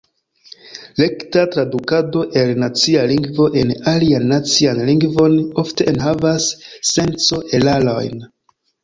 Rekta tradukado el nacia lingvo en alian nacian lingvon ofte enhavas senco-erarojn.